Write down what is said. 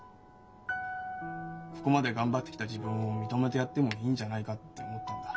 ここまで頑張ってきた自分を認めてやってもいいんじゃないかって思ったんだ。